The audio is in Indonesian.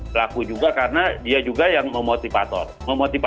pelaku juga karena dia juga yang memotivator